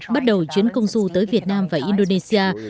bắt đầu chuyến công du tới việt nam và indonesia